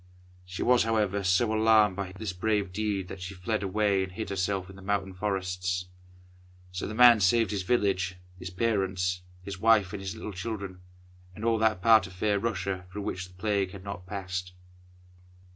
She was, however, so alarmed by this brave deed that she fled away and hid herself in the mountain forests. So the man saved his village, his parents, his wife, and his little children, and all that part of fair Russia through which the Plague had not passed.